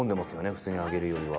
普通に揚げるよりは。